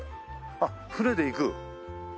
あっ船で行く？